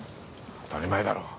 当たり前だろ。